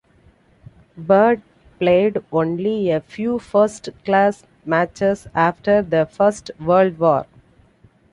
Bird played only a few first-class matches after the First World War.